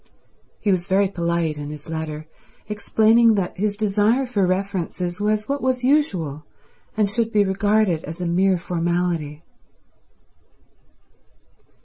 He was very polite in his letter, explaining that his desire for references was what was usual and should be regarded as a mere formality.